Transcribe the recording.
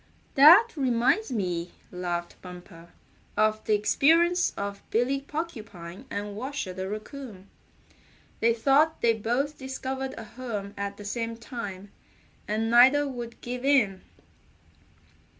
"That reminds me," laughed Bumper, "of the experience of Billy Porcupine and Washer the Raccoon. They thought they both discovered a home at the same time, and neither would give in."